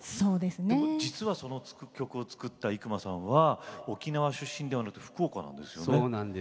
実はその曲を作ったイクマさんは沖縄出身ではないんですよね。